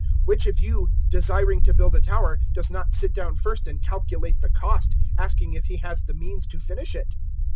014:028 "Which of you, desiring to build a tower, does not sit down first and calculate the cost, asking if he has the means to finish it?